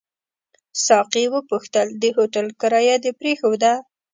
ساقي وپوښتل: د هوټل کرایه دې پرېښوده؟